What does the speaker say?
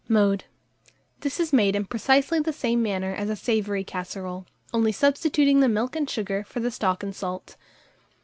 Mode. This is made in precisely the same manner as a savoury casserole, only substituting the milk and sugar for the stock and salt.